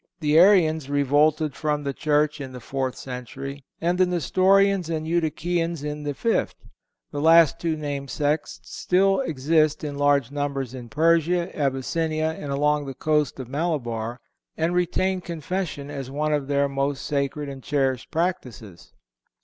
The Arians revolted from the Church in the fourth century, and the Nestorians and Eutychians in the fifth. The two last named sects still exist in large numbers in Persia, Abyssinia and along the coast of Malabar, and retain Confession as one of their most sacred and cherished practices.